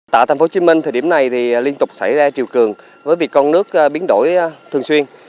tại tp hcm thời điểm này thì liên tục xảy ra chiều cường với việc con nước biến đổi thường xuyên